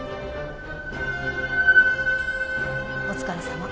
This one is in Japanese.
お疲れさま。